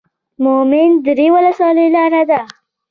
مومند درې ولسوالۍ لاره ده؟